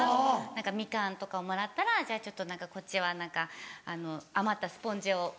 何かみかんとかをもらったらじゃあちょっとこっちは何か余ったスポンジを渡すとか。